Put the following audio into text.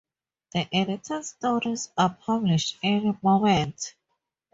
The edited stories are published in "Moment".